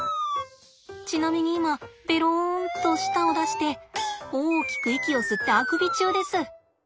ちなみに今ベロンと舌を出して大きく息を吸ってあくび中です。